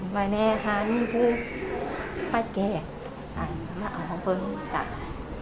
อ๋อมาแน่ฮะนี่คือพัดแก่อ่ามาเอาของเพิ่มจับ